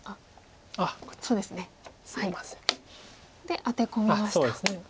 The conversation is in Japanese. でアテ込みました。